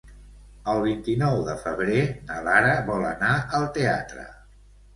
El vint-i-nou de febrer na Lara vol anar al teatre.